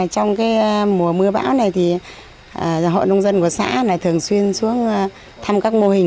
trong mùa mưa bão hộ nông dân của xã thường xuyên xuống thăm các mô hình